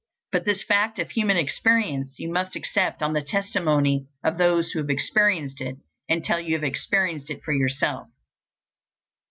But this fact of human experience you must accept on the testimony of those who have experienced it, until you have experienced it for yourself.